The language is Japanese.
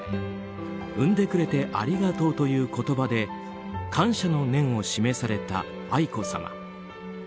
産んでくれてありがとうという言葉で感謝の念を示された愛子さま。